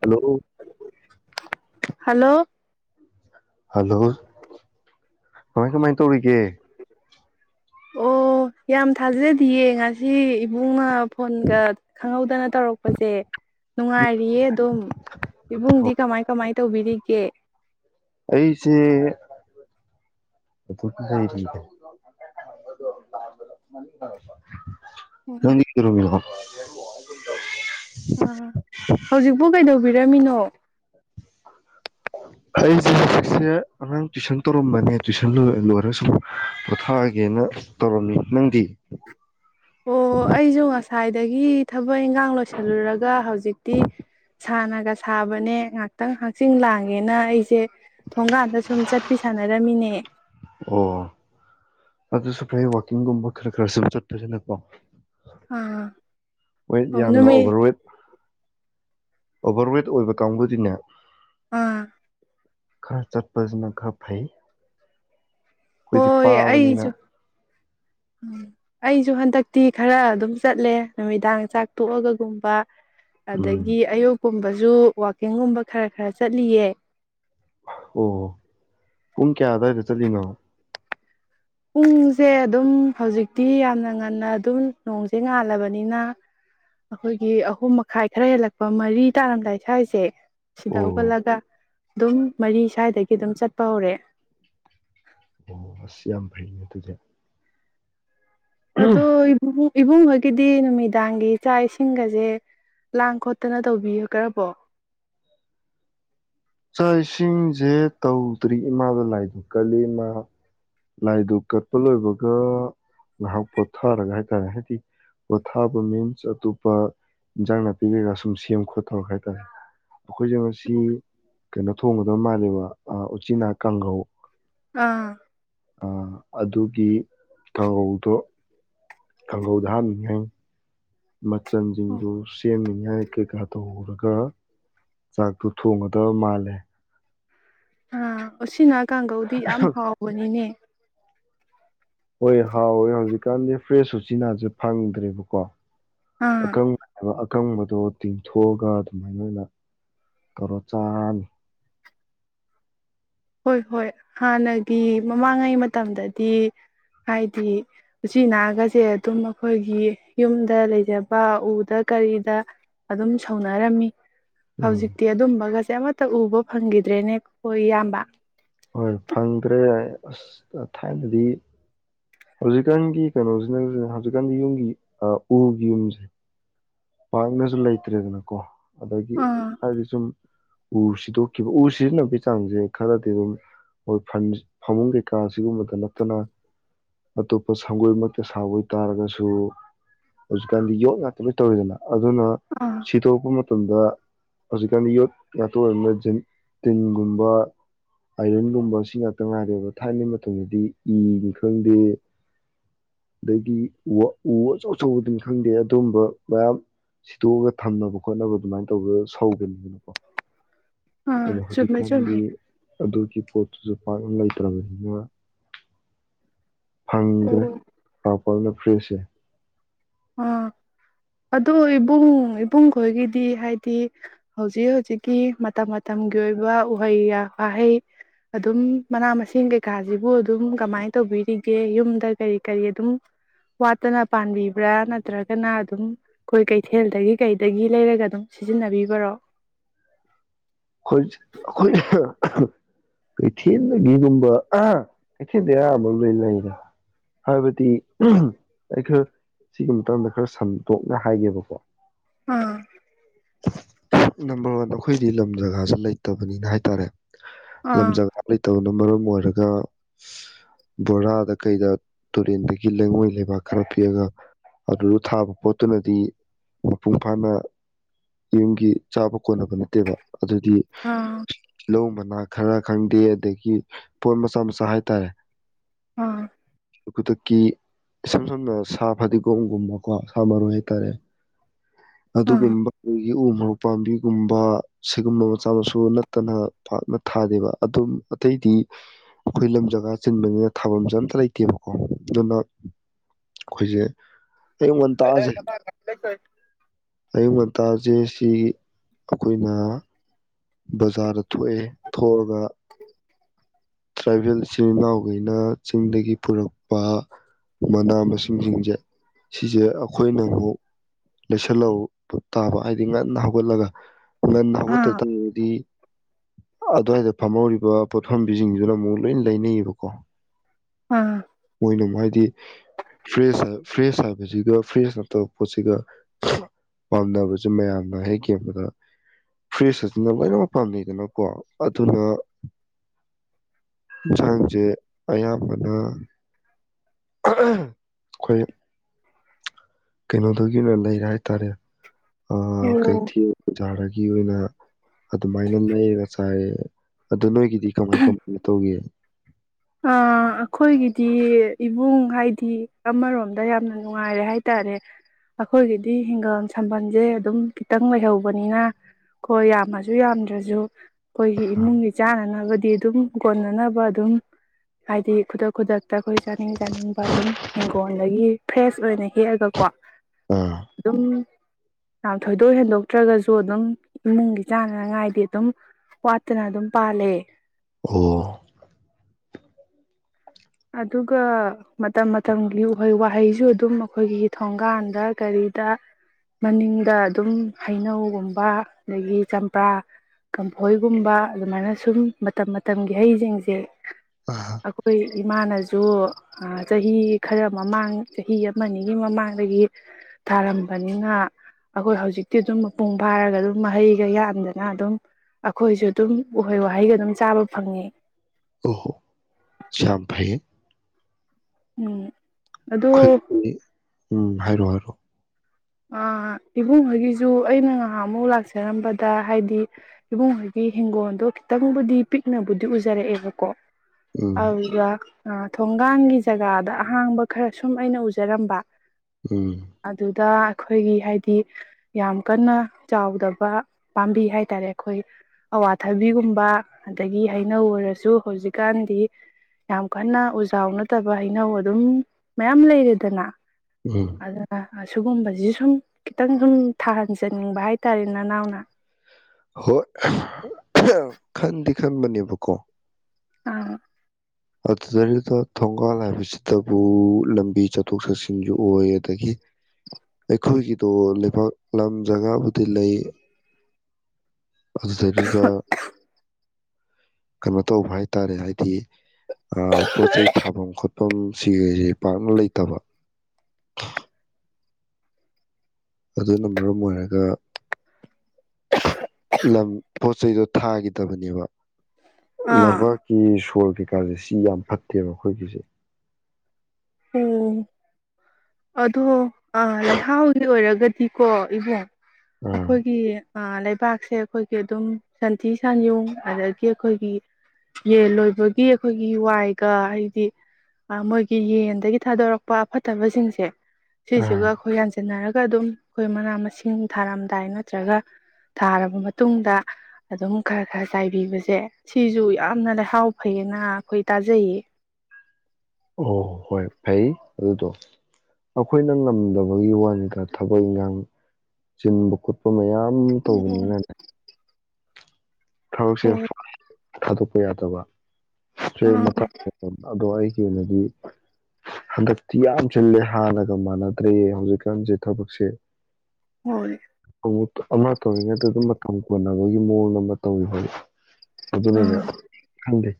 Hello hello hello ꯀꯃꯥꯏ ꯀꯃꯥꯏꯅ ꯇꯧꯔꯤꯒꯦ ꯑꯣ ꯌꯥꯝ ꯊꯥꯖꯗꯤꯌꯦ ꯉꯁꯤ ꯏꯕꯨꯡꯅ ꯐꯣꯟꯒ ꯈꯪꯍꯧꯗꯅ ꯇꯧꯔꯛꯄꯁꯦ ꯅꯨꯡꯉꯥꯏꯔꯤꯌꯦ ꯑꯗꯣꯝ ꯏꯕꯨꯡꯗꯤ ꯀꯃꯥꯏ ꯀꯦ ꯑꯩꯁꯦ ꯀ [unintelligible] ꯅꯪꯗꯤ ꯀꯩꯗꯔꯝꯃꯤꯅꯣ ꯋꯥ ꯇ ꯑ ꯍꯧꯖꯤꯛꯄꯥꯎ ꯀꯩꯗꯧ ꯕꯤꯔꯃꯤꯅꯣ ꯑꯩꯁꯦ ꯍꯧꯖꯤꯛꯁꯦ ꯑꯉꯥꯡ ꯇꯨꯏꯁꯟ ꯇꯧꯔꯝꯕꯅꯦ ꯇꯨꯏꯁꯟ ꯂꯣꯏꯔꯁꯨꯨꯝ ꯄꯣꯊꯥꯑꯒꯦꯅ ꯇꯧꯔꯝꯃꯤ ꯅꯪꯗꯤ ꯑꯣ ꯑꯩꯁꯨ ꯉꯁ ꯁꯥꯏꯗꯒꯤ ꯊ ꯊꯕꯛ ꯏꯟꯈꯥꯡ ꯂꯣꯏꯁꯤꯜꯂꯨꯔꯒ ꯍꯧꯖꯤꯛꯇꯤ ꯁꯥꯟꯅꯒ ꯁꯥꯕꯅꯦ ꯉꯍꯥꯛꯇꯪ ꯍꯛꯆꯤꯡ ꯂꯥꯡꯉꯦꯅ ꯑꯩꯁꯦ ꯊꯣꯡꯒꯥꯟꯗ ꯁꯨꯝ ꯆꯠꯄꯤ ꯁꯥꯟꯅꯔꯝꯃꯤꯅꯦ꯫ ꯑꯣ ꯑꯗꯨꯁꯨ ꯐꯩ ꯋꯥꯀꯤꯡꯒꯨꯝꯕ ꯈꯔ - ꯈꯔ ꯁ ꯆꯠꯄꯁꯤꯅꯀꯣ꯫ ꯑꯥ ꯋꯦꯠ ꯍ ꯌꯥꯝꯅ ꯅꯨꯃꯤꯠ ꯑꯣꯚꯔꯋꯦꯠ ꯑꯣꯚꯔꯋꯦꯠ ꯑꯣꯏꯕ ꯀꯥꯡꯕꯨꯗꯤꯅꯦ ꯑꯥ꯫ ꯈꯔ ꯆꯠꯄꯖꯤ ꯅ ꯈ ꯐꯦꯏꯌꯦ꯫ ꯍꯣꯏ ꯑꯩꯁꯨ ꯑꯩꯁꯨ ꯍꯟꯗꯛꯇꯤ ꯈꯔ ꯑꯗꯨꯝ ꯆꯠꯂꯦ ꯅꯨꯃꯤꯗꯥꯡ ꯆꯥꯛ ꯇꯣꯛꯑꯒꯒꯨꯝꯕ ꯎꯝ ꯑꯗꯒꯤ ꯑꯌꯨꯛ ꯀꯨꯝꯕꯁꯨ ꯋꯥꯋꯥꯛꯀꯤꯡꯒꯨꯝꯕ ꯈꯔ- ꯈꯔ ꯆꯠꯂꯤꯌꯦ꯫ ꯑꯣ ꯄꯨꯡ ꯀꯌꯥ ꯑꯗꯨꯗꯋꯥꯏꯗ ꯆꯠꯂꯤꯅꯣ? ꯄꯨꯡꯁꯦ ꯑꯗꯨꯝ ꯍꯧꯖꯤꯛꯇꯤ ꯌꯥꯝꯅ ꯉꯟꯅ ꯑꯗꯨꯝ ꯅꯣꯡꯁꯦ ꯉꯥꯜꯂꯕꯅꯤꯅ ꯑꯩꯈꯣꯏꯒꯤ ꯑꯍꯨꯝ ꯃꯈꯥꯏ ꯈꯔ ꯍꯦꯜꯂꯛꯄ ꯃꯔꯤ ꯇꯥꯔꯝꯗꯥꯏ ꯁ꯭ꯋꯥꯏꯁꯦ ꯁꯤꯗ ꯍꯧꯒꯠ ꯑꯣ ꯂꯒꯥ ꯑꯗꯨꯝ ꯃꯔꯤ ꯁ꯭ꯋꯥꯏꯗꯒꯤ ꯑꯗꯨꯝ ꯆꯠꯄ ꯍꯧꯔꯛꯑꯦ꯫ ꯑꯣ ꯑꯁ ꯌꯥꯝ ꯐꯩꯅꯦ ꯑꯗꯨꯗꯤ ꯫ ꯑꯗꯣ ꯏꯕꯨꯡ ꯏꯕꯨꯡ ꯍꯣꯏꯒꯤꯗꯤ ꯅꯨꯃꯤꯠ ꯅꯨꯃꯤꯗꯥꯡꯒꯤ ꯆꯥꯛ ꯏꯁꯤꯡꯒꯁꯦ ꯂꯥꯡ ꯈꯣꯠꯇꯅ ꯇꯧꯕꯤꯈ꯭ꯔꯕꯣ? ꯆꯥꯛ - ꯏꯁꯤꯡꯁꯦ ꯇꯧꯗ꯭ꯔꯤ ꯏꯃꯥꯗ ꯂꯥꯏꯗꯣꯛ ꯀꯜꯂꯤ ꯏꯃꯥ ꯂꯥꯏꯗꯨ ꯀꯠꯄ ꯂꯣꯏꯕꯒ ꯉꯥꯏꯍꯥꯛ ꯄꯣꯠꯊꯥꯔꯒ ꯍꯥꯏ ꯇꯔꯦ ꯍꯥꯏꯗꯤ ꯄꯣꯊꯥꯕ ꯃꯤꯟꯁ ꯑꯇꯣꯞꯄ ꯏꯟꯖꯥꯡ ꯅꯥꯄꯤ ꯀꯩꯀꯥ ꯁꯨꯝ ꯁꯦꯝ ꯈꯣꯠꯊꯔꯒ ꯍꯥꯏ ꯇꯥꯔꯦ ꯑꯩꯈꯣꯏꯁꯦ ꯉꯁꯤ ꯀꯩꯅꯣ ꯊꯣꯡꯒꯗꯕ ꯃꯥꯜꯂꯦꯕ ꯎꯆꯤꯟꯅꯥ ꯀꯥꯡꯍꯧ ꯑꯥ꯫ ꯑꯗꯨꯒꯤ ꯀꯥꯡꯍꯧꯗꯣ ꯈꯪꯒꯧꯗ ꯍꯞꯅꯤ ꯉꯥꯏ ꯃꯆꯜꯁꯤꯡꯗꯨ ꯁꯦꯝꯃꯤꯉꯥꯏ ꯀꯩꯀꯥ ꯇꯧꯍꯔꯒ ꯆꯥꯛꯇ ꯊꯣꯡꯒꯗꯕ ꯃꯥꯜꯂꯦ ꯑ ꯎꯆꯤ ꯅꯥ ꯀꯥꯡꯒꯧꯗꯤ ꯌꯥꯝ ꯍꯥꯎꯕꯅꯤꯅꯦ꯫ ꯍꯣꯏ ꯍꯥꯎꯋꯦ ꯍꯧꯖꯤꯛꯀꯥꯟꯗꯤ ꯐ꯭ꯔꯦꯁ ꯎꯆꯤꯅꯥꯁꯦ ꯐꯪꯗ꯭ꯔꯦꯕꯀꯣ ꯑꯥ ꯑꯀꯪ ꯑꯀꯪꯕꯗꯣ ꯇꯤꯡꯊꯣꯛꯑꯒ ꯑꯗꯨꯃꯥꯏꯅ ꯑꯣꯏꯅ ꯀꯧꯔꯣ ꯆꯥꯔꯅꯤ꯫ ꯍꯣꯏ- ꯍꯣꯏ ꯍꯥꯟꯅꯒꯤ ꯃꯃꯥꯡꯉꯩ ꯃꯇꯝꯗꯗꯤ ꯍꯥꯏꯗꯤ ꯎꯆꯤꯅꯥꯒꯁꯦ ꯑꯗꯨꯝ ꯑꯩꯈꯣꯏꯒꯤ ꯌꯨꯝꯗ ꯂꯩꯖꯕ ꯎꯗ ꯀꯔꯤꯗ ꯑꯗꯨꯝ ꯁꯧꯅꯔꯝꯃꯤ ꯎꯝ ꯍꯧꯖꯤꯛꯇꯤ ꯑꯗꯨꯝꯕꯒꯁꯦ ꯑꯃꯠ ꯇ ꯎꯕ ꯐꯪꯈꯤꯗ꯭ꯔꯦꯅꯦ ꯀꯣ ꯏꯌꯥꯝꯕ ꯫ ꯍꯣꯏ ꯐꯪꯗ꯭ꯔꯦ ꯑꯁ ꯊꯥꯏꯅꯗꯤ ꯍꯧꯖꯤꯛꯀꯥꯟꯒꯤ ꯀꯩꯅꯣꯁꯤꯅ ꯍꯧꯖꯤꯛꯀꯥꯟꯒꯤ ꯌꯨꯝꯒꯤ ꯎꯒꯤ ꯌꯨꯝꯁꯦ ꯄꯥꯛꯅꯁꯨ ꯂꯩꯇ꯭ꯔꯦꯗꯅꯀꯣ ꯑꯗꯒꯤ ꯑꯥ ꯍꯥꯏꯗꯤ ꯁꯨꯝ ꯎ ꯁꯤꯗꯣꯛꯈꯤꯕ ꯎ ꯁꯤꯖꯤꯟꯅꯕꯒꯤ ꯆꯥꯡꯁꯦ ꯈꯔꯗꯤ ꯑꯗꯨꯝ ꯃꯣꯏ ꯐꯃꯨꯡ ꯀꯩꯀꯥ ꯁꯤꯒꯨꯝꯕꯗ ꯅꯠꯇꯅ ꯑꯇꯣꯞꯄ ꯁꯪꯒꯣꯏꯃꯛꯇ ꯁꯥꯕ ꯑꯣꯏ ꯇꯥꯔꯒꯁꯨ ꯍꯧꯖꯤꯛꯀꯥꯟꯗꯤ ꯌꯣꯠ ꯉꯥꯛꯇ ꯂꯣꯏ ꯇꯧꯋꯦꯗꯅ ꯑꯗꯨꯅ ꯑꯥ ꯁꯤꯗꯣꯛꯄ ꯃꯇꯝꯗ ꯍꯧꯖꯤꯛꯀꯥꯟꯗꯤ ꯌꯣꯠ ꯉꯥꯛꯇ ꯑꯣꯏꯔꯔꯕꯅ ꯇꯤꯟꯒꯨꯝꯕ ꯑꯥꯏꯔꯟꯒꯨꯝꯕ ꯁꯤ ꯉꯥꯛꯇ ꯉꯥꯏꯔꯦꯕ ꯊꯥꯏꯅꯒꯤ ꯃꯇꯝꯗꯗꯤ ꯏꯅꯤ ꯈꯪꯗꯦ ꯗꯒꯤ ꯎꯋ ꯎꯋ ꯑꯆꯧ ꯑꯆꯧꯕꯗꯤ ꯈꯪꯗꯦ ꯑꯗꯨꯝꯕ ꯃꯌꯥꯝ ꯇꯣꯛꯑꯒ ꯊꯝꯅꯕ ꯈꯣꯠꯅꯕ ꯑꯗꯨꯃꯥꯏꯅ ꯇꯧ ꯁꯧꯒꯟꯗꯅꯀꯣ ꯑꯥ ꯑꯗꯣ ꯆꯨꯝꯃꯦ ꯍꯧꯖꯤꯛꯀꯥꯟꯗꯤ ꯆꯨꯝꯃꯦ ꯑꯗꯨ ꯄꯣꯠꯇꯨꯁꯨ ꯄꯛ ꯂꯩꯇꯔꯕꯅꯤꯅ ꯐꯪꯗ꯭ꯔꯦ ꯑꯣ ꯄꯥꯛ ꯄꯤꯛꯅ ꯐ꯭ꯔꯤꯁꯦ ꯑꯥ ꯑꯗꯣ ꯏꯕꯨꯡ ꯏꯕꯨꯡ ꯈꯣꯏꯒꯤꯗꯤ ꯍꯥꯏꯗꯤ ꯍꯧꯖꯤꯛ ꯍꯧꯖꯤꯛꯀꯤ ꯃꯇꯝ ꯃꯇꯝꯒꯤ ꯑꯣꯏꯕ ꯎꯍꯩ ꯋꯥꯍꯩ ꯑꯗꯨꯝ ꯃꯅꯥ ꯃꯁꯤꯡ ꯀꯩꯀꯥꯁꯤꯕꯨ ꯑꯗꯨꯝ ꯀꯃꯥꯏꯅ ꯇꯧꯕꯤꯔꯤꯒꯦ ꯌꯨꯝꯗ ꯀꯔꯤ ꯀꯔꯤ ꯑꯗꯨꯝ ꯋꯥꯠꯇꯅ ꯄꯥꯟꯕꯤꯕ ꯕ꯭ꯔꯥ ꯅꯠꯇ꯭ꯔꯒꯅ ꯑꯗꯨꯝ ꯑꯩꯈꯣꯏ ꯀꯩꯊꯦꯜꯗꯒꯤ ꯀꯩꯗꯒꯤ ꯂꯩꯔꯒ ꯑꯗꯨꯝ ꯁꯤꯖꯤꯟꯅꯕꯤꯕꯔꯣ ꯑꯈꫭꯏ ꯑꯩꯈꯣꯏ [inaudible] ꯀꯩꯊꯦꯟꯗꯒꯤꯒꯨꯝꯕ ꯀꯩꯊꯦꯜꯗ ꯑꯌꯥꯝꯕ ꯂꯣꯏ ꯂꯩꯗ ꯍꯥꯏꯕꯗꯤ ꯑꯩ ꯈꯔ ꯁꯤꯒꯤ ꯃꯇꯥꯡꯗ ꯈꯔ ꯁꯟꯗꯣꯛꯅ ꯍꯥꯏꯒꯦꯕꯀꯣ ꯑꯥ ꯅꯝꯕꯔ ꯋꯥꯟꯗ ꯑꯈꯣꯏꯗꯤ ꯂꯝ ꯖꯒꯥꯁꯨ ꯂꯩꯇꯕꯅꯤꯅ ꯍꯥꯏꯇꯥꯔꯦ ꯑꯥ ꯂꯝꯖꯒꯥ ꯂꯩꯇꯕ ꯑꯗꯨꯅ ꯃꯔꯝ ꯑꯣꯏꯔꯒ ꯕꯣꯔꯥꯗ ꯀꯩꯗ ꯇꯨꯔꯦꯟꯗꯒꯤ ꯂꯩꯉꯣꯏ ꯂꯩꯕꯥꯛ ꯈꯔ ꯄꯦꯛꯑꯒ ꯑꯗꯨꯗ ꯊꯥꯕ ꯄꯣꯠꯇꯨꯅꯗꯤ ꯃꯄꯨꯡ ꯐꯥꯅ ꯌꯨꯝꯒꯤ ꯆꯥꯕ ꯀꯣꯟꯅꯕꯅꯤ ꯑꯗꯨꯗꯤ ꯑꯥ ꯂꯧ ꯃꯥ ꯈꯔ ꯈꯪꯗꯦ ꯑꯗꯒꯤ ꯄꯣꯠ ꯃꯆꯥ ꯃꯆꯥ ꯍꯥꯏꯇꯥꯔꯦ ꯑꯥ ꯈꯨꯗꯛꯀꯤ ꯏꯁꯝ ꯁꯝꯅ ꯁꯥ ꯐꯗꯤꯒꯣꯝꯒꯨꯝꯕ ꯀꯣ ꯁꯥ ꯃꯔꯣꯏ ꯍꯥꯏꯇꯥꯔꯦ ꯑꯥ ꯑꯥ ꯑꯗꯨꯒꯨꯝꯕ ꯎꯃꫭꯔꫭꯛ ꯄꯥꯝꯕꯤꯒꯨꯝꯕ ꯁꯤꯒꯨꯝꯕ ꯃꯆꯥ ꯃꯁꯨ ꯅꯠꯇꯅ ꯄꯥꯛꯅ ꯊꯥꯗꯦꯕ ꯑꯗꯨꯝ ꯑꯇꯩꯗꯤ ꯑꯩꯈꯣꯏ ꯂꯝ ꯖꯒꯥ ꯆꯤꯟꯕꯅꯤꯅ ꯊꯥꯐꯝꯖꯨ ꯑꯝꯇ ꯂꯩꯇꯦꯕꯀꯣ ꯑꯗꯨꯅ ꯑꯩꯈꯣꯏꯁꯦ ꯑꯌꯨꯛ ꯉꯟꯇꯥꯁꯦ [inaudible] ꯑꯌꯡ ꯉꯟꯇꯥꯁꯦ ꯁꯤ ꯑꯩꯈꯣꯏꯅ ꯕꯖꯥꯗ ꯊꯣꯛꯑꯦ ꯊꯣꯛꯑꯒ ꯇ꯭ꯔꯥꯏꯕꯦꯜ ꯏꯆꯤꯜ ꯏꯅꯥꯎꯈꯩꯅ ꯆꯤꯡꯗꯒꯤ ꯄꯨꯔꯛꯄ ꯃꯅꯥ ꯃꯁꯤꯡꯁꯤꯡꯁꯦ ꯖꯤꯡꯖꯦ ꯑꯩꯈꯣꯏꯅ ꯑꯃꯨꯛ ꯂꯩꯁꯜꯍ ꯇꯥꯕ ꯍꯥꯏꯗꯤ ꯉꯟꯅ ꯍꯧꯒꯠꯂꯒ ꯉꯟꯅ ꯍꯧꯒꯠꯇ ꯑꯥ ꯇꯥꯔꯗꯤ ꯑꯗꯨꯋꯥꯏꯗꯣ ꯐꯝꯍꯧꯔꯤꯕ ꯄꯣꯠꯐꯝ ꯅꯨꯄꯤꯁꯤꯡꯗꯨꯅ ꯑꯃꯨꯛ ꯂꯣꯏ ꯂꯩꯅꯩꯌꯦꯕꯀꯣ ꯑꯥ ꯃꯣꯏꯅ ꯑꯃꯨꯛ ꯍꯥꯏꯗꯤ ꯐ꯭ꯔꯦꯁ ꯐ꯭ꯔꯦꯁ ꯍꯥꯏꯕ ꯍꯥꯏꯕꯖꯤꯒ ꯐ꯭ꯔꯦꯁ ꯅꯠꯇꯕ ꯄꯣꯠꯁꯤꯒ ꯄꯥꯝꯅꯕꯁꯦ ꯃꯌꯥꯝꯅ ꯍꯦꯛ ꯌꯦꯡꯕꯗ ꯐ꯭ꯔꯦꯁ ꯑꯁꯤꯅ ꯂꯣꯏꯅꯃꯛ ꯄꯥꯝꯅꯩꯗꯅꯀꯣ ꯑꯗꯨꯅ ꯌꯦꯟꯁꯥꯡꯁꯦ ꯑꯌꯥꯝꯕꯅ ꯑꯈꯣꯏ ꯀꯩꯅꯣꯗꯒꯤ ꯑꫭꯏꯅ ꯂꯩꯔꯦ ꯍꯥꯏꯇꯥꯔꯦ ꯑ ꯑꯣ ꯀꯩꯊꯦꯜ ꯕꯖꯔꯒ ꯒꯤ ꯑꯣꯏꯅ ꯑꯗꯨꯃꯥꯏꯅ ꯂꯩ ꯇꯥꯏ ꯑꯗꯨ ꯅꯣꯏꯒꯤꯗꯤ ꯀꯃꯥꯏ ꯀꯃꯥꯏꯅ ꯇꯧꯒꯦ ꯑ ꯑꯩꯈꯣꯏꯒꯤꯗꯤ ꯏꯕꯨꯡ ꯍꯥꯏꯗꯤ ꯑꯃꯔꯣꯝꯗ ꯌꯥꯝꯅ ꯅꯨꯡꯉꯥꯏꯔꯦ ꯍꯥꯏ ꯇꯔꯦ ꯑꯩꯈꯣꯏꯒꯤꯗꯤ ꯍꯤꯡꯒꯜ ꯁꯥꯝꯕꯜꯁꯦ ꯑꯗꯨꯝ ꯈꯤꯇꯪ ꯂꯩꯍꯧꯕꯅꯤꯅ ꯈꯣꯏ ꯌꯥꯝꯃꯁꯨ ꯌꯥꯝꯗ꯭ꯔꯁꯨ ꯑꯩꯈꯣꯏꯒꯤ ꯏꯃꯨꯡꯒꯤ ꯆꯥꯅꯅꯕꯗꯤ ꯤ ꯑꯗꯨꯝ ꯀꯣꯟꯅꯅꯕ ꯑꯗꯨꯝ ꯍꯥꯏꯗꯤ ꯈꯨꯗꯛ ꯈꯨꯗꯛꯇ ꯑꯩꯈꯣꯏ ꯆꯥꯅꯤꯡ ꯆꯥꯅꯤꯡꯕ ꯑꯗꯨꯝ ꯍꯤꯡꯒꯣꯜꯗꯒꯤ ꯐ꯭ꯔꯦꯁ ꯑꯣꯏꯅꯅ ꯍꯦꯛꯑꯒꯀꯣ ꯑꯥ ꯑꯗꯨꯝ ꯌꯥꯝ ꯊꯣꯏꯗꯣꯛ ꯍꯦꯟꯗꯣꯛꯇ꯭ꯔꯒꯁꯨ ꯁꯨ ꯑꯗꯨꯝ ꯏꯃꯨꯡꯒꯤ ꯆꯥꯅꯅꯉꯥꯏꯗꯤ ꯑꯗꯨꯝ ꯋꯥꯠꯇꯅ ꯑꯗꯨꯝ ꯄꯥꯜꯂꯦ ꯑꯣ ꯑꯗꯨꯒ ꯃꯇꯝ ꯃꯇꯝꯒꯤ ꯎꯍꯩ ꯋꯥꯍꯩꯁꯨ ꯑꯗꯨꯝ ꯑꯩꯈꯣꯏꯒꯤ ꯊꯣꯡꯒꯥꯟꯗ ꯀꯔꯤꯗ ꯃꯅꯤꯡꯗ ꯑꯗꯨꯝ ꯍꯩꯅꯧꯒꯨꯝꯕ ꯑꯗꯒꯤ ꯆꯝꯄ꯭ꯔꯥ ꯀꯝꯐꯣꯏꯒꯨꯝꯕ ꯑꯗꯨꯃꯥꯏꯅ ꯁꯨꯝ ꯃꯇꯝ ꯃꯇꯝꯒꯤ ꯍꯩꯁꯤꯡꯁꯦ ꯑꯥ ꯑꯩꯈꯣꯏ ꯏꯃꯥꯅꯁꯨ ꯆꯍꯤ ꯈꯔ ꯃꯃꯥꯡ ꯆꯍꯤ ꯑꯃꯅꯤ ꯑꯒꯤ ꯃꯃꯥꯡꯗꯒꯤ ꯊꯥꯔꯝꯕꯅꯤꯅ ꯑꯩꯈꯣꯏ ꯍꯧꯖꯤꯛꯇꯤ ꯑꯗꯨꯝ ꯃꯄꯨꯡ ꯐꯥꯔꯒ ꯑꯗꯨꯝ ꯃꯍꯩꯒ ꯌꯥꯟꯗꯅ ꯑꯗꯨꯝ ꯑꯩꯈꯣꯏꯁꯨ ꯑꯗꯨꯝ ꯎꯍꯩ ꯋꯥꯍꯩꯒ ꯑꯗꯨꯝ ꯆꯥꯕ ꯐꯪꯉꯤ ꯑꯣꯍꯣ ꯆꯝ ꯐꯩꯌꯦ ꯎꯝ ꯑꯗꯣ ꯎꯝ ꯍꯥꯏꯔꯣ ꯍꯥꯏꯔꯣ ꯑ ꯏꯕꯨꯡꯉꯣꯏꯒꯤꯁꯨ ꯑꯩꯅ ꯉꯥꯏꯍꯥꯛ ꯑꯃꯨꯛ ꯂꯥꯛꯆꯔꯝꯕꯗ ꯍꯥꯏꯗꯤ ꯏꯕꯨꯡꯉꯣꯏꯒꯤ ꯍꯤꯡꯒꯣꯜꯗꯣ ꯈꯤꯇꯪꯕꯨꯗꯤ ꯄꯤꯛꯅꯕꯨꯗꯤ ꯎꯖꯔꯛꯑꯦꯕꯀꯣ ꯎꯝ ꯍꯥꯎꯕ ꯑ ꯊꯣꯡꯒꯥꯡꯒꯤ ꯖꯒꯥꯗ ꯑꯍꯥꯡꯕ ꯈꯔ ꯁꯨꯝ ꯑꯩꯅ ꯎꯖꯔꯝꯕ ꯎꯝ ꯑꯗꯨꯗ ꯑꯩꯈꯣꯏꯒꯤ ꯍꯥꯏꯗꯤ ꯌꯥꯝ ꯀꯟꯅ ꯆꯥꯎꯗꯕ ꯄꯥꯝꯕꯤ ꯍꯥꯏꯇꯥꯔꯦ ꯑꯩꯈꯣꯏ ꯑꯋꯥꯊꯕꯤꯒꯨꯝꯕ ꯑꯗꯒꯤ ꯍꯩꯅꯧ ꯑꯣꯏꯔꯁꯨ ꯍꯧꯖꯤꯛꯀꯥꯟꯗꯤ ꯌꯥꯝ ꯀꯟꯅ ꯎꯖꯥꯎ ꯅꯠꯇꯕ ꯍꯩꯅꯧ ꯑꯗꯨꯝ ꯃꯌꯥꯝ ꯂꯩꯔꯦꯗꯅ ꯎꯝ ꯑꯗ ꯁꯤꯒꯨꯝꯕꯁꯤ ꯁꯨꯝ ꯈꯤꯇꯪ ꯁꯨꯝ ꯊꯥꯍꯟꯖꯅꯤꯡꯕ ꯍꯥꯏꯇꯥꯔꯦ ꯅꯅꯥꯎꯅ ꯍꯣꯏ ꯈꯟꯗꯤ ꯈꯟꯕꯅꯦꯕꯀꯣ ꯑꯥ ꯑꯗꯨꯗꯩꯗ ꯊꯣꯡꯒꯥꯜ ꯍꯥꯏꯕꯁꯤꯗꯕꯨ ꯂꯝꯕꯤ ꯆꯠꯊꯣꯛ ꯆꯠꯁꯤꯟꯁꯨ ꯑꯣꯏ ꯑꯗꯒꯤ ꯑꯩꯈꯣꯏꯒꯤꯗꯣꯕꯥꯛ ꯂꯝ ꯖꯒꯥꯕꯨꯗꯤ ꯂꯩ ꯑꯗꯨꯗꯔꯤꯗ ꯀꯩꯅꯣ ꯇꯧꯕ ꯍꯥꯏꯇꯥꯔꯦ ꯍꯥꯏꯗꯤ ꯑ ꯄꯣꯖ ꯆꯩ ꯊꯥꯕ ꯪꯁꯗ ꯐꯝ ꯁꯤꯈꯁꯦ ꯄꯥꯛꯅ ꯂꯩꯇꯕ ꯑꯗꯨꯅ ꯃꯔꯝ ꯑꯣꯏꯔꯒ ꯂꯝ ꯄꯣꯠ ꯆꯩꯗꯣ ꯊꯥꯒꯤꯗꯕꯅꯦꯕ ꯑꯥ ꯂꯕꯥꯛꯀꯤ ꯁꯣꯔ ꯑꯐ꯭ꯔꯤꯀꯥꯁꯦ ꯁꯤ ꯌꯥꯝ ꯐꯠꯇꯦꯕ ꯑꯩꯈꯣꯏꯒꯤꯁꯦ ꯑꯣ ꯑꯗꯣ ꯑ ꯂꯩꯍꯥꯎꯒꯤ ꯑꯣꯏꯔꯒꯗꯤꯀꯣ ꯏꯕꯨꯡ ꯑꯥ ꯑꯩꯈꯣꯏꯒꯤ ꯄꯥꯛꯁꯦ ꯑꯩꯈꯣꯏꯒꯤ ꯑꯗꯨꯝ ꯁꯟꯊꯤ ꯁꯟꯌꯨꯡ ꯑꯗꯒꯤ ꯑꯩꯈꯣꯏꯒꯤ ꯌꯦꯟ ꯂꯣꯏꯕꯒꯤ ꯑꯩꯈꯣꯏꯒꯤ ꯋꯥꯏꯒ ꯍꯥꯏꯗꯤ ꯃꯣꯏꯒꯤ ꯌꯦꯟ ꯀ ꯊꯗꯔꯣ ꯑꯄ ꯐꯠꯇꯕꯁꯤꯡꯁꯦ ꯁꯤꯁꯤꯒ ꯑꯥ ꯑꯩꯈꯣꯏ ꯌꯥꯟꯁꯤꯟꯅꯔꯒ ꯑꯗꯨꯝ ꯑꯩꯈꯣꯏ ꯃꯅꯥ ꯃꯁꯤꯡ ꯊꯥꯔꯝꯗꯥꯏ ꯅꯠꯇ꯭ꯔꯒ ꯊꯥꯔꯕ ꯃꯇꯨꯡꯗ ꯑꯗꯨꯝ ꯈꯔ ꯈꯔ ꯆꯥꯏꯕꯤꯕꯁꯦ ꯁꯤꯁꯨ ꯌꯥꯝꯅ ꯂꯩꯍꯥꯎ ꯐꯩꯌꯦꯅ ꯑꯩꯈꯣꯏ ꯇꯥꯖꯩꯌꯦ ꯑꯣ ꯍꯣꯏ ꯐꯩ ꯑꯗꯨꯗꯣ ꯑꯩꯈꯣꯏꯅ ꯉꯝꯗꯕꯒꯤ ꯋꯥꯅꯤꯗ ꯊꯕꯛ ꯏꯟꯈꯥꯡ ꯆꯤꯟꯕ ꯈꯠ ꯆꯄ ꯃꯌꯥꯝ ꯑꯣ ꯇꯧꯕꯅꯤꯅꯅꯦ ꯊꯥꯎꯁꯦ ꯍꯣꯏ ꯊꯥꯗꯣꯛꯄ ꯌꯥꯗꯕ ꯑꯥ ꯑꯗꯣ ꯑꯩ ꯑꯣꯏꯅꯗꯤ ꯍꯟꯗꯛꯇꯤ ꯌꯥꯝ ꯆꯜꯂꯦ ꯍꯥꯟꯅꯒ ꯃꯥꯟꯅꯗ꯭ꯔꯦꯌꯦ ꯍꯧꯖꯤꯛꯀꯥꯟꯁꯦ ꯊꯕꯛꯁꯦ ꯍꯣꯏ ꯑꯃ ꯇꯧꯔꯤꯉꯩꯗ ꯑꯗꯨꯝ ꯃꯇꯝ ꯀꯣꯟꯅꯕꯒꯤ ꯃꯑꯣꯡꯗ ꯇꯧ ꯍꯣꯏ ꯑꯗꯨꯅ ꯑꯥ ꯍꯥꯏꯗꯤ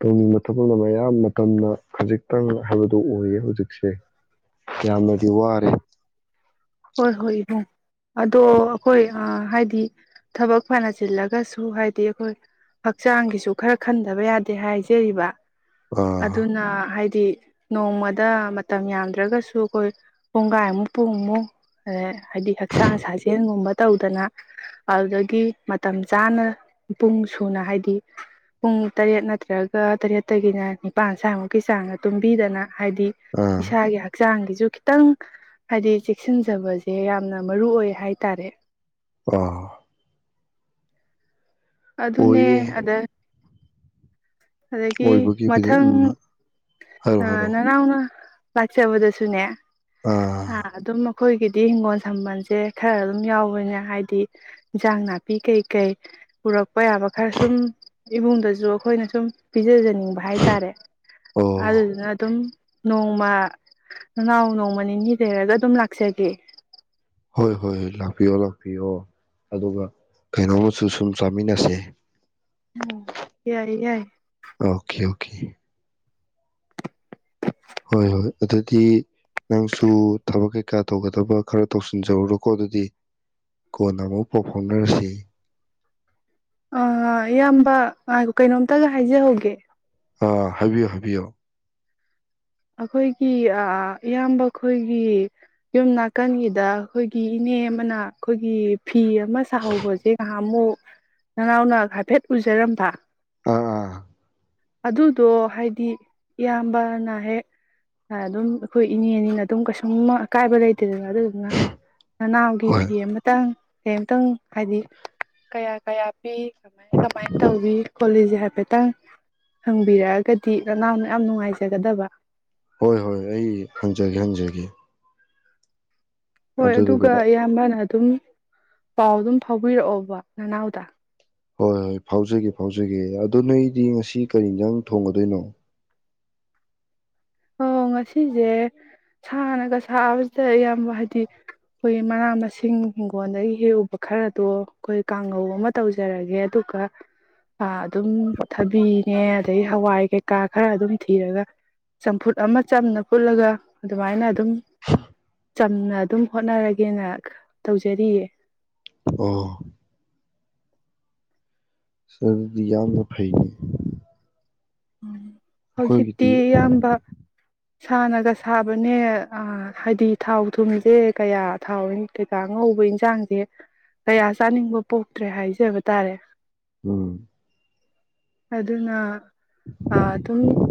ꯇꯧꯅꯤꯡꯕ ꯊꯛꯅ ꯃꯌꯥꯝ ꯃꯇꯝꯅ ꯈꯖꯤꯛꯇꯪ ꯍꯥꯏꯕꯗꯨꯣ ꯑꯣꯏꯌꯦ ꯍꯧꯖꯤꯛꯁꯦ ꯌꯥꯝꯅꯗꯤ ꯋꯥꯔꯦ ꯍꯣꯏ ꯍꯣꯏ ꯏꯕꯨꯡ ꯑꯗꯣ ꯑꯩꯈꯣꯏ ꯍꯥꯏꯗꯤ ꯊꯕꯛ ꯐꯅ ꯆꯤꯜꯂꯒꯁꯨ ꯍꯥꯏꯗꯤ ꯑꯩꯈꯣꯏ ꯍꯛꯆꯥꯡꯒꯤꯁꯨ ꯈꯔ ꯈꯟꯗꯕ ꯌꯥꯗꯦ ꯍꯥꯏꯖꯔꯤꯕ ꯑꯥ ꯑꯗꯨꯅ ꯍꯥꯏꯗꯤ ꯅꯣꯡꯃꯗ ꯃꯇꯝ ꯌꯥꯝꯗ꯭ꯔꯒꯁꯨ ꯑꯩꯈꯣꯏ ꯄꯨꯡꯒꯥꯏꯃꯨꯛ ꯄꯨꯡꯃꯨꯛ ꯍꯥꯏꯗꯤ ꯍꯛꯆꯥꯡ ꯁꯥꯖꯦꯜꯒꯨꯝꯕ ꯇꯧꯗꯅ ꯑꯗꯨꯗꯒꯤ ꯃꯇꯝ ꯆꯥꯅ ꯄꯨꯡ ꯁꯨꯅ ꯍꯥꯏꯗꯤ ꯄꯨꯡ ꯇꯔꯦꯠ ꯅꯠꯇ꯭ꯔꯒ ꯇꯔꯦꯠꯇꯒꯤꯅ ꯅꯤꯄꯥꯥꯟ ꯁ꯭ꯋꯥꯏꯃꯨꯛꯀꯤ ꯆꯥꯡꯅ ꯇꯨꯝꯕꯤꯗꯅ ꯍꯥꯏꯗꯤ ꯑꯥ ꯏꯁꯥꯒꯤ ꯍꯛꯆ ꯍꯛꯆꯥꯡꯒꯤꯁꯨ ꯈꯤꯇꯪ ꯍꯥꯏꯗꯤ ꯁꯤꯟꯖꯕꯁꯦ ꯌꯥꯝꯅ ꯃꯔꯨꯑꯣ ꯑꯣꯏ ꯍꯥꯏ ꯇꯔꯦ ꯑ ꯑꯗꯨꯅꯦ ꯑꯣꯏꯌꯦ ꯑꯗꯦ ꯑꯗꯒꯤ ꯑꯣꯏꯕꯒꯤꯕꯨꯗꯤ ꯃꯊꯪ ꯎꯝ ꯍꯥꯏꯔꯣ ꯍꯥꯏꯔꯣ ꯅꯅꯥꯎꯅ ꯂꯥꯛꯆꯕꯗ ꯁꯨꯅ ꯑ ꯑꯥ ꯑꯗꯨꯃ ꯑꯩꯈꯣꯏꯒꯤꯗꯤ ꯍꯤꯡꯒꯣꯜ ꯁꯝꯕꯜꯁꯦ ꯈꯔ ꯑꯗꯨꯝ ꯌꯥꯎꯕꯅꯦ ꯍꯥꯏꯗꯤ ꯏꯟꯖꯥꯡ ꯅꯥꯄꯤ ꯀꯩꯀꯩ ꯄꯨꯔꯛꯄ ꯌꯥꯕ ꯈꯔ ꯁꯨꯝ ꯏꯃꯨꯡꯗꯁꯨ ꯑꯩꯈꯣꯏꯅ ꯁꯨꯝ ꯄꯤꯖꯖꯅꯤꯡꯕ ꯍꯥꯏꯇꯥꯔꯦ ꯑꯣ ꯑꯗꯨꯗꯨꯅ ꯑꯗꯨꯝ ꯅꯣꯡꯃ ꯅꯅꯥꯎ ꯅꯣꯡꯃ ꯅꯤꯅꯤ ꯂꯩꯔꯒ ꯑꯗꯨꯝ ꯂꯥꯛꯆꯒꯦ ꯍꯣꯏ ꯍꯣꯏꯣꯏ ꯂꯥꯛꯄꯤꯌꯣ ꯂꯥꯛꯄꯤꯣ ꯑꯗꯨꯒ ꯀꯩꯅꯣꯃꯁꯨ ꯁꯨꯝ ꯆꯥꯃꯤꯟꯅꯁꯦ ꯎ ꯌꯥꯏ ꯌꯥꯏ ꯑꯣꯀꯦ ꯑꯣꯀꯦ ꯍꯣꯏ ꯍꯣꯏ ꯑꯗꯨꯗꯤ ꯅꯪꯁꯨ ꯊꯕꯛ ꯀꯩꯀꯥ ꯇꯧꯒꯗꯕ ꯈꯔ ꯇꯧꯁꯤꯟꯖꯔꯨꯔꯣꯀꯣ ꯑꯗꯨꯗꯤ ꯀꯣꯟꯅ ꯑꯃꯨꯛ ꯄꯥꯎ ꯐꯥꯎꯅꯔꯁꯤ ꯑꯥ ꯏꯌꯥꯝꯕ ꯀꯩꯅꯣꯝꯇꯒ ꯍꯥꯏꯖꯍꯧꯒꯦ ꯑ ꯍꯥꯏꯕꯤꯌꯣ ꯍꯥꯏꯕꯤꯌꯣ ꯑꯩꯈꯣꯏꯒꯤ ꯏꯌꯥꯝꯕ ꯑꯩꯈꯣꯏꯒꯤ ꯌꯨꯝ ꯅꯥꯀꯟꯒꯤꯗ ꯑꯩꯈꯣꯏꯒꯤ ꯏꯅꯦ ꯑꯃꯅ ꯑꯩꯈꯣꯏꯒꯤ ꯐꯤ ꯑꯃ ꯁꯥꯍꯧꯕꯁꯦ ꯉꯍꯥ ꯑꯃꯨꯛ ꯅꯅꯥꯎꯅ ꯍꯥꯏꯐꯦꯠ ꯎꯖꯔꯝꯕ ꯑꯥ ꯑꯥ ꯑꯗꯨꯗꯣ ꯍꯥꯏꯗꯤ ꯏꯌꯥꯝꯕꯅ ꯍꯦꯛ ꯑꯗꯨꯝ ꯑꯩꯈꯣꯏ ꯏꯅꯦ ꯑꯅꯤꯅ ꯑꯗꯨꯝ ꯀꯩꯁꯨꯝ ꯑꯀꯥꯏꯕ ꯂꯩꯇꯦꯗꯅ ꯑꯗꯨꯗꯨꯅ ꯅꯅꯥꯎꯒꯤ ꯍꯣꯏ ꯐꯤ ꯑꯃꯇꯪ ꯐꯤ ꯑꯝꯇꯪ ꯍꯥꯏꯗꯤ ꯀꯌꯥ ꯀꯌꯥ ꯄꯤ ꯀꯃꯥꯏ ꯇꯧꯏ ꯀꯣꯂꯤꯁꯦ ꯍꯥꯏꯐꯦꯠꯇꯪ ꯍꯪꯕꯤꯔꯛꯑꯒꯗꯤ ꯅꯅꯥꯎꯅ ꯌꯥꯝ ꯅꯨꯡꯉꯥꯏꯖꯒꯗꯕ ꯍꯣꯏ ꯍꯣꯏ ꯑꯩ ꯍꯪꯖꯒꯦ ꯍꯪꯖꯒꯦ ꯍꯣꯏ ꯑꯗꯨꯗꯨꯒ ꯑꯗꯨꯒ ꯑꯌꯥꯝꯕꯅ ꯑꯗꯨꯝ ꯄꯥꯎ ꯑꯗꯨꯝ ꯐꯥꯎꯕꯤꯔꯛꯑꯣꯕ ꯅꯅꯥꯎꯗ ꯍꯣꯏ ꯍꯣꯏ ꯐꯥꯎꯖꯒꯦ ꯐꯥꯎꯖꯒꯦ ꯑꯗꯣ ꯅꯣꯏꯗꯤ ꯉꯁꯤ ꯀꯔꯤꯗꯪ ꯊꯣꯡꯒꯗꯣꯏꯅꯣ ꯑꯣ ꯉꯁꯤꯁꯦ ꯁꯅꯒ ꯁꯥꯕꯁꯤꯗ ꯑꯌꯥꯝꯕ ꯍꯥꯏꯗꯤ ꯑꯩꯈꯣꯏ ꯃꯅꯥ ꯃꯁꯤꯡ ꯍꯤꯡꯒꯣꯜꯗꯒꯤ ꯍꯦꯛꯎꯕ ꯈꯔꯗꯣ ꯑꯩꯈꯣꯏ ꯀꯥꯡꯍꯧ ꯑꯃ ꯇꯧꯖꯔꯒꯦ ꯑꯗꯨꯒ ꯑꯗꯨꯝ ꯊꯕꯤꯅꯦ ꯑꯗꯒꯤ ꯍꯋꯥꯏ ꯀꯩꯀꯥ ꯈꯔ ꯑꯗꯨꯝ ꯊꯤꯔꯒ ꯆꯝꯐꯨꯠ ꯑꯃ ꯆꯝꯅ ꯐꯨꯠꯂꯒ ꯑꯗꯨꯃꯥꯏꯅ ꯑꯗꯨꯝ ꯆꯝꯅ ꯑꯗꯨꯝ ꯍꯣꯠꯅꯔꯒꯦꯅ ꯇꯧꯖꯔꯤꯌꯦ ꯑꯣ ꯁꯗꯤ ꯌꯥꯝꯅ ꯐꯩꯅꯤ ꯎꯝ ꯍꯧꯖꯤꯛꯇꯤ ꯏꯌꯥꯝꯕ ꯁꯥꯅꯒ ꯁꯥꯕꯅꯦ ꯍꯥꯏꯗꯤ ꯊꯥꯎ ꯊꯨꯝꯁꯦ ꯀꯌꯥ ꯊꯥꯎ ꯀꯩꯀꯥ ꯉꯧꯕ ꯏꯟꯁꯥꯡꯁꯦ ꯀꯌꯥ ꯆꯥꯅꯤꯡꯕ ꯄꯣꯛꯇ꯭ꯔꯦ ꯍꯥꯏꯖꯕ ꯇꯥꯔꯦ ꯎꯝ ꯑꯗꯨꯅ ꯑ ꯑꯗꯨꯝ